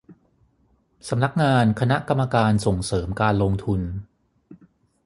สำนักงานคณะกรรมการส่งเสริมการลงทุน